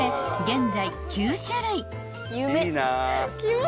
現在９種類］